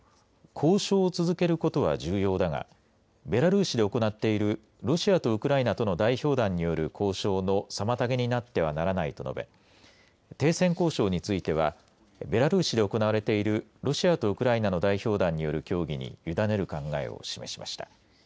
交渉を続けることは重要だがベラルーシで行っているロシアとウクライナとの代表団による交渉の妨げになってはならないと述べ停戦交渉についてはベラルーシで行われているロシアとウクライナの代表団による協議にゆだねる考えを示しました。